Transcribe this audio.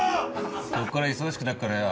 「こっから忙しくなっからよ